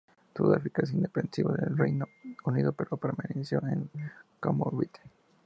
Sudáfrica se independizó de Reino Unido, pero permaneció en la Commonwealth.